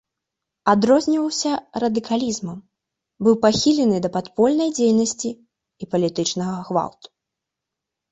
Адрозніваўся радыкалізмам, быў пахілены да падпольнай дзейнасці і палітычнага гвалту.